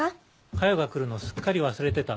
加代が来るのすっかり忘れてた。